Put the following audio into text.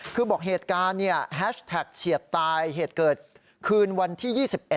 คือบอกเหตุการณ์เนี่ยแฮชแท็กเฉียดตายเหตุเกิดขึ้นวันที่๒๑